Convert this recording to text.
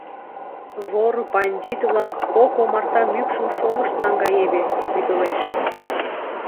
Вор... бандит-влак кок омарта мӱкшым шолышт наҥгаеве, — вӱдылеш.